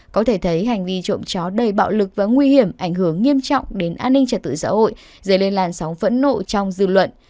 có thể thấy hành vi trộm chó đầy bạo lực và nguy hiểm ảnh hưởng nghiêm trọng đến an ninh trật tự xã hội dấy lên làn sóng phẫn nộ trong dư luận